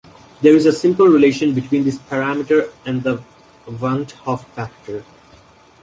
There is a simple relationship between this parameter and the van 't Hoff factor.